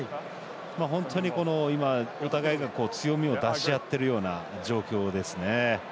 本当に、お互いの強みを出し合っているような状況ですよね。